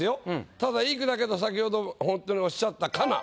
ただいい句だけど先ほどホントにおっしゃった「かな」。